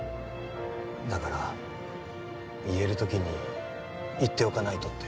だから言える時に言っておかないとって。